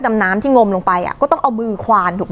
ระดมกำลังกันค้นหาตั้งแต่ช่วงบ่ายของเมื่อวานนี้นะ